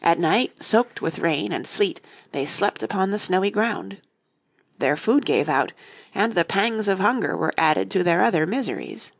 At night soaked with rain and sleet they slept upon the snowy ground. Their food gave out, and the pangs of hunger were added to their other miseries.